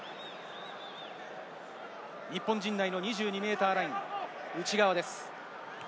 日本陣内の２２ｍラインの内側です。